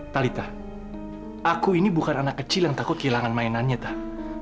talitha aku ini bukan anak kecil yang takut kehilangan mainannya tah